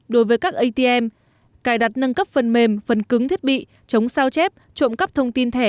đối với các atm cài đặt nâng cấp phần mềm phần cứng thiết bị chống sao chép trộm cắp thông tin thẻ